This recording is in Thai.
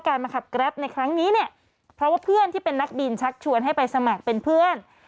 มาขับแกรปในครั้งนี้เนี่ยเพราะว่าเพื่อนที่เป็นนักบินชักชวนให้ไปสมัครเป็นเพื่อน